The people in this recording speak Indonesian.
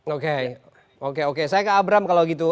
oke oke oke saya ke abram kalau gitu